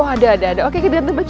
oh ada ada ada oke ganti baju